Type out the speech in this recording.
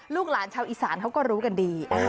ลูกหลานชาวอีสานเขาก็รู้กันดี